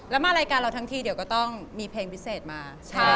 แล้วมารายการเราทั้งทีเดี๋ยวก็ต้องมีเพลงพิเศษมา